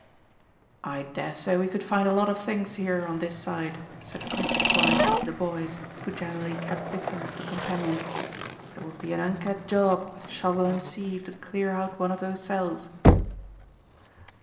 "I dessay we could find a lot of things here on this side," said Griggs quietly to the boys, who generally kept with him for companion, "but it would be an unked job with shovel and sieve to clear out one of those cells."